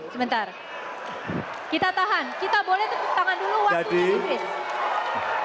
sebentar kita tahan kita boleh tepuk tangan dulu waktunya si face